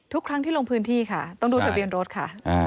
ทุกครั้งที่ลงพื้นที่ค่ะต้องดูทะเบียนรถค่ะ